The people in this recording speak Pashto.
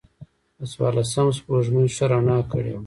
د څوارلسمم سپوږمۍ ښه رڼا کړې وه.